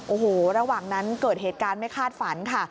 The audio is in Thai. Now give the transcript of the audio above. โอ้โหระหว่างนั้นเกิดเหตุการณ์ไม่คาดฝันค่ะ